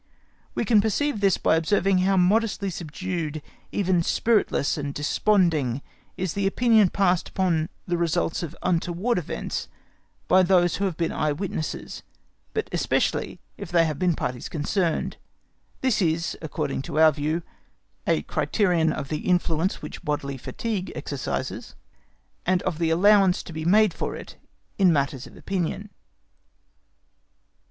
We can perceive this by observing how modestly subdued, even spiritless and desponding, is the opinion passed upon the results of untoward events by those who have been eye witnesses, but especially if they have been parties concerned. This is, according to our view, a criterion of the influence which bodily fatigue exercises, and of the allowance to be made for it in matters of opinion.